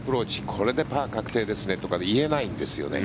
これでパー確定ですねとか言えないんですね。